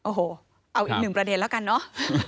โอ้โหเอาอีกหนึ่งประเด็นแล้วกันเนอะ